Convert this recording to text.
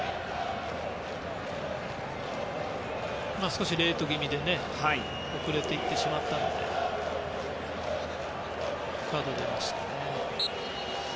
少しレイト気味で遅れていってしまったのでカードが出ましたね。